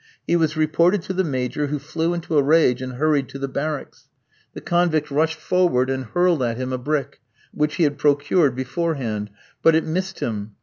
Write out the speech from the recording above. He was reported to the Major, who flew into a rage, and hurried to the barracks. The convict rushed forward and hurled at him a brick, which he had procured beforehand; but it missed him.